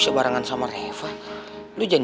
ostaga kamu dulu gara gara apa di sini